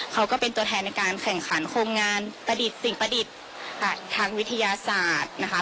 เขาก็เป็นตัวแทนในการแข่งขันโครงงานประดิษฐ์สิ่งประดิษฐ์ทางวิทยาศาสตร์นะคะ